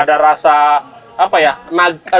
ada rasa apa ya